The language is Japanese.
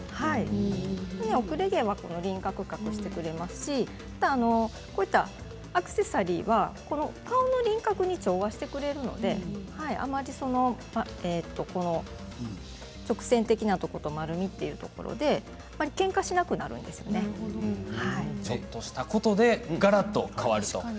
後れ毛は輪郭を隠してくれますしアクセサリーは顔の輪郭に調和してくれるので直線的なところと丸みというところでけんかしなくちょっとしたことでがらりと変わるんですね。